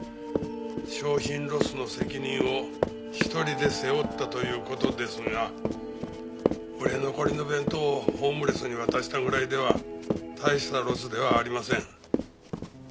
商品ロスの責任を一人で背負ったという事ですが売れ残りの弁当をホームレスに渡したぐらいでは大したロスではありません。